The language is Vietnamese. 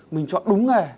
mình chọn đúng nghề